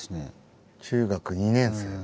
中学２年生。